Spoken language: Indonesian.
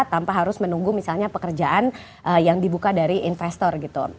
tanpa harus menunggu misalnya pekerjaan yang dibuka dari investor gitu